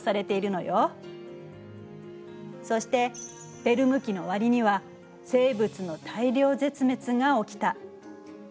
そしてペルム紀の終わりには生物の大量絶滅が起きた。